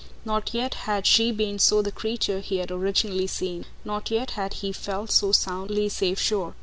Not yet had she been so the creature he had originally seen; not yet had he felt so soundly safely sure.